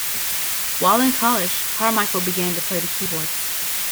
While in college, Carmichael began to play the keyboards.